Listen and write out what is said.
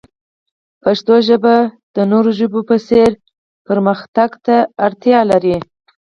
پښتو ژبه د نورو ژبو په څیر پرمختګ ته اړتیا لري.